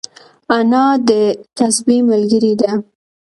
انا د تسبيح ملګرې ده